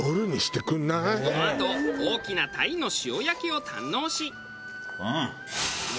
このあと大きな鯛の塩焼きを堪能し。